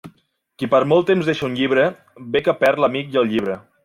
Qui per molt temps deixa un llibre, ve que perd l'amic i el llibre.